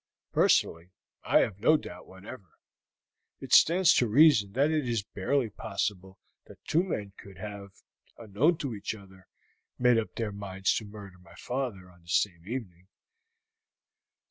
"Personally, I have no doubt whatever; it stands to reason that it is barely possible that two men could have, unknown to each other, made up their minds to murder my father on the same evening."